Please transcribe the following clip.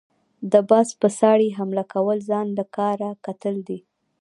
د باز په څاړي حمله كول ځان له کار کتل دي۔